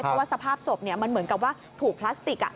เพราะว่าสภาพศพมันเหมือนกับว่าถูกพลาสติก